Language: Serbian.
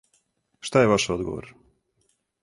Шта је ваш одговор?